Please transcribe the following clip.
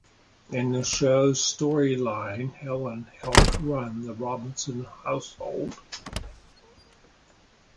In the show's storyline Helen helped run the Robinson household.